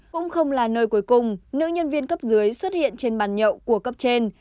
cũng không là nơi cuối cùng nữ nhân viên cấp dưới xuất hiện trên bàn nhậu của cấp trên